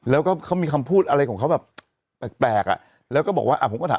แล้วก็เขามีคำพูดอะไรของเขาแบบแปลกแปลกอ่ะแล้วก็บอกว่าอ่ะผมก็ถาม